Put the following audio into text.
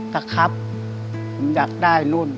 สักครับผมอยากได้นู่น